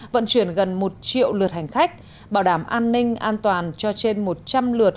vận chuyển gần một triệu lượt hành khách bảo đảm an ninh an toàn cho trên một trăm linh lượt